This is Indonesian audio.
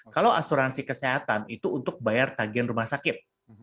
kalau asuransi kesehatan itu untuk bayar tagihan rumah sakit